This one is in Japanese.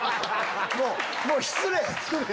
もう失礼！